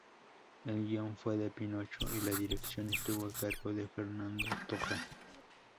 El guion fue de "Pinocho" y la dirección estuvo a cargo de Fernando Toja.